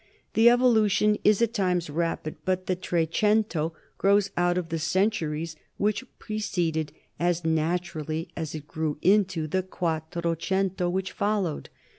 The evolution is at times rapid, but the Trecento grows out of the cen turies which preceded as naturally as it grew into the Quattrocento which followed.